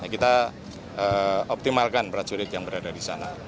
kita optimalkan prajurit yang berada di sana